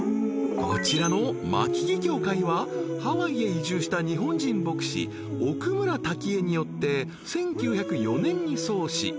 ［こちらのマキキ教会はハワイへ移住した日本人牧師奥村多喜衛によって１９０４年に創始］